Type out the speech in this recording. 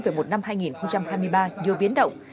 về một năm hai nghìn hai mươi ba nhiều biến động